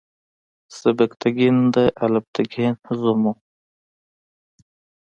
سبکتګین د الپتکین زوم و.